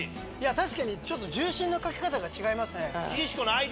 確かに重心のかけ方が違いますね。